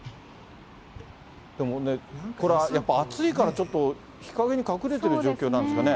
でもね、これはやっぱり暑いからちょっと日陰に隠れてる状況なんですかね。